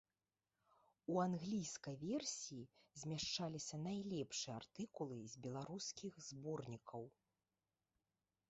У англійскай версіі змяшчаліся найлепшыя артыкулы з беларускіх зборнікаў.